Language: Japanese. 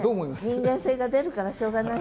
人間性が出るからしょうがない。